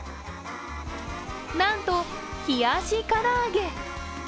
なんと、冷やし唐揚げ。